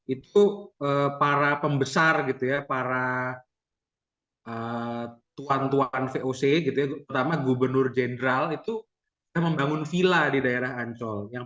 itu para pembesar para tuan tuan voc pertama gubernur jenderal itu membangun villa di daerah ancol